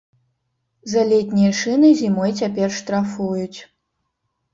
За летнія шыны зімой цяпер штрафуюць.